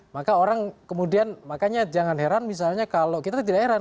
maka orang kemudian makanya jangan heran misalnya kalau kita tidak heran